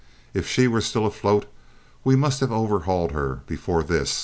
"If she were still afloat we must have overhauled her before this.